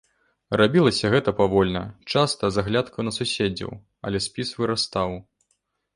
Рабілася гэта павольна, часта з аглядкаю на суседзяў, але спіс вырастаў.